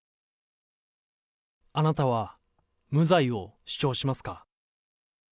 あなたは無罪を主張しますか。